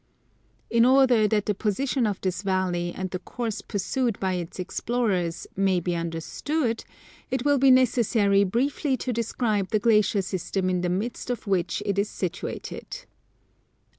In order that the position of this valley, and the course pursued by its explorers, may be understood, it will be necessary briefly to describe the glacier system in the midst of which it is situated.